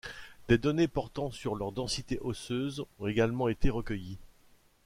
Des données portant sur leur densité osseuse ont également été recueillies.